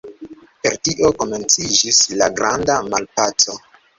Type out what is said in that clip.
Per tio komenciĝis la Granda Malpaco.